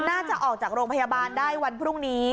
น่าจะออกจากโรงพยาบาลได้วันพรุ่งนี้